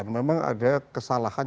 memang ada kesalahan